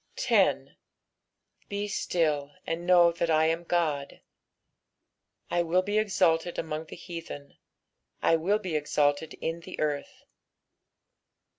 10 Be still, and know that I am God : I will be exalted among the heathen, I will be exalted in the earth.